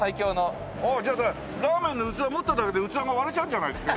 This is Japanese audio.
ああじゃあラーメンの器持っただけで器が割れちゃうんじゃないですか？